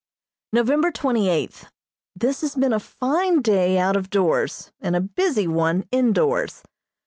November twenty eighth: This has been a fine day out of doors, and a busy one indoors.